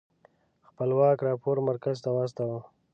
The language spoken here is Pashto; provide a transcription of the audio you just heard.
خپلواک راپور مرکز ته واستوه.